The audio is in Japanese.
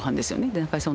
中居さん